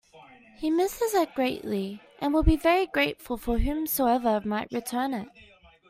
He misses it greatly and would be very grateful to whomsoever might return it.